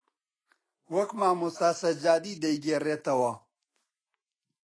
وەک مامۆستا سەجادی دەیگێڕێتەوە